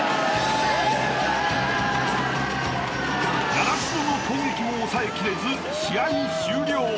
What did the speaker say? ［習志野の攻撃を抑えきれず試合終了］